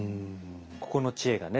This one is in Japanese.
ここの知恵がね